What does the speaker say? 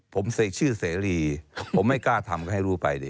ผมเสกชื่อเสรีผมไม่กล้าทำก็ให้รู้ไปดิ